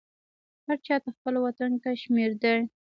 هر چا ته خپل وطن کشمیر دی